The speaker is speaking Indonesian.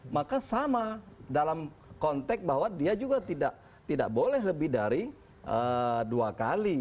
maka sama dalam konteks bahwa dia juga tidak boleh lebih dari dua kali